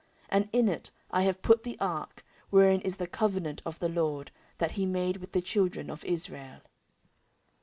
14:006:011 And in it have I put the ark, wherein is the covenant of the LORD, that he made with the children of Israel.